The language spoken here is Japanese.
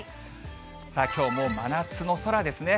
さあきょうも真夏の空ですね。